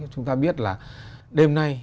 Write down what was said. chúng ta biết là đêm nay